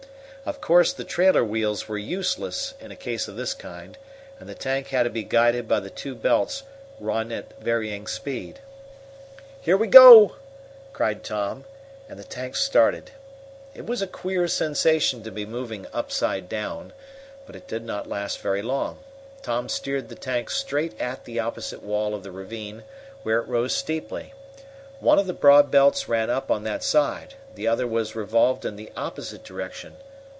Of course the trailer wheels were useless in a case of this kind, and the tank had to be guided by the two belts run at varying speeds. "Here we go!" cried Tom, and the tank started. It was a queer sensation to be moving upside down, but it did not last very long. Tom steered the tank straight at the opposite wall of the ravine, where it rose steeply. One of the broad belts ran up on that side. The other was revolved in the opposite direction.